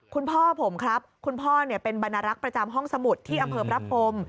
คุณพ่อผมครับคุณพ่อเป็นบรรณรักษ์ประจำห้องสมุทรที่อำเภอพระพรม